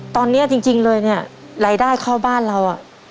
ตอนนี้จริงเลยเนี่ยรายได้เข้าบ้านเรา